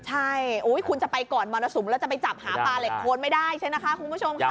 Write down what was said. ใช่คุณจะไปก่อนมรสุมแล้วจะไปจับหาปลาเหล็กโคนไม่ได้ใช่ไหมคะคุณผู้ชมค่ะ